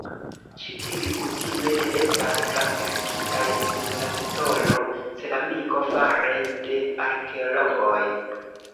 Ĉi tiuj kutime ne estas klasifikitaj sub la titolo "ceramiko" fare de arkeologoj.